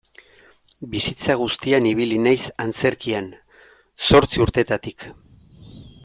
Bizitza guztian ibili naiz antzerkian, zortzi urtetatik.